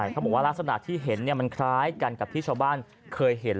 ทหารสมัครที่เห็นมันคล้ายกันกับที่ชาวบ้านเคยเห็น